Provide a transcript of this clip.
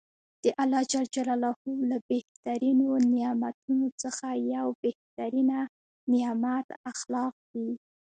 د الله ج له بهترینو نعمتونوڅخه یو بهترینه نعمت اخلاق دي .